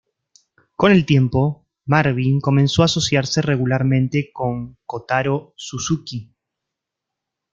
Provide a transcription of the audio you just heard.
Con el tiempo, Marvin comenzó a asociarse regularmente con Kotaro Suzuki.